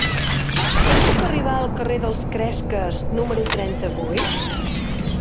Com puc arribar al carrer dels Cresques número trenta-vuit?